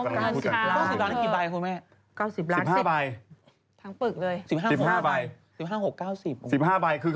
ไปแล้วถ้ามีกี่ใบครับคุณแม่